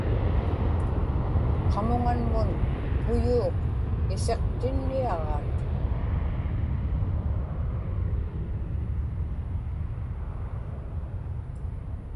qamuŋanmun puyuuq isiqtinniaġaat